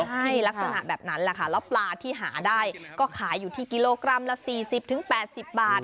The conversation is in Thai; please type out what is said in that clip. ใช่ลักษณะแบบนั้นแหละค่ะแล้วปลาที่หาได้ก็ขายอยู่ที่กิโลกรัมละ๔๐๘๐บาท